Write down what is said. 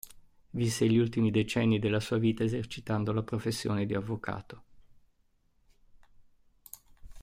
Visse gli ultimi decenni della sua vita esercitando la professione di avvocato.